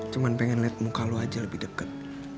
cuma pengen liat muka lo aja lebih deket